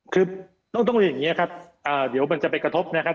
คือต้องเรียนอย่างนี้ครับเดี๋ยวมันจะไปกระทบนะครับ